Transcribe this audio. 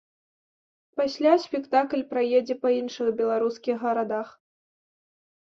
Пасля спектакль праедзе па іншых беларускіх гарадах.